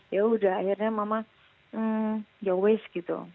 yaudah akhirnya mama yaowes gitu